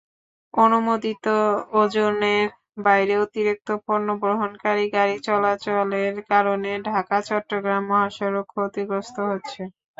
অনুমোদিত ওজনের বাইরে অতিরিক্ত পণ্য বহনকারী গাড়ি চলাচলের কারণে ঢাকা-চট্টগ্রাম মহাসড়ক ক্ষতিগ্রস্ত হচ্ছে।